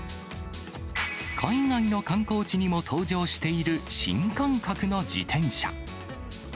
海外の観光地にも登場している新感覚の自転車。